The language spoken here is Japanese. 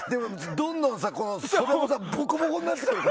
どんどん袖がボコボコになってくるの。